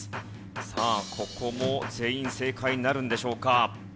さあここも全員正解なるんでしょうか？